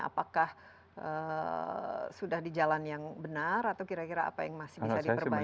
apakah sudah di jalan yang benar atau kira kira apa yang masih bisa diperbaiki